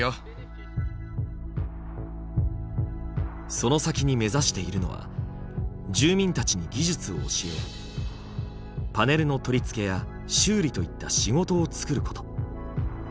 その先に目指しているのは住民たちに技術を教えパネルの取り付けや修理といった仕事を作ること。